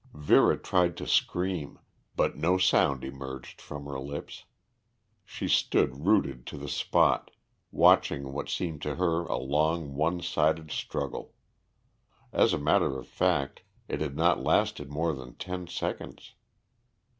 Vera tried to scream, but no sound emerged from her lips. She stood rooted to the spot, watching what seemed to her a long one sided struggle. As a matter of fact, it had not lasted more than ten seconds.